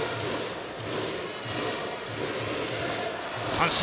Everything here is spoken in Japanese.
三振。